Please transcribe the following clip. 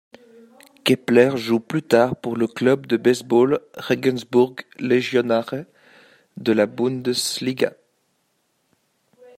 Kepler joue plus tard pour le club de baseball Regensburg Legionäre de la Bundesliga.